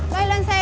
lên xe đi cho mẹ